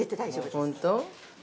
◆本当？